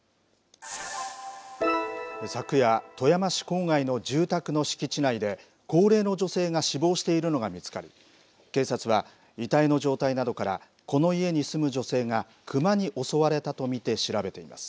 昨夜、富山市郊外の住宅の敷地内で、高齢の女性が死亡しているのが見つかり、警察は遺体の状態などから、この家に住む女性が、クマに襲われたと見て調べています。